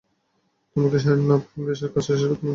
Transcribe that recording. তোমাকে sarin nerve গ্যাসের কাজটা শেষ করতে হবে।